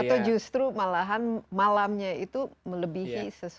atau justru malahan malamnya itu melebihi sesuatu